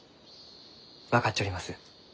分かっちょります。